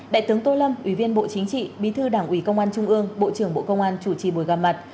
đại tướng tô lâm ủy viên bộ chính trị bí thư đảng ủy công an trung ương bộ trưởng bộ công an chủ trì buổi gặp mặt